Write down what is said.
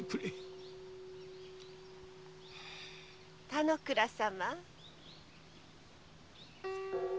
・田之倉様。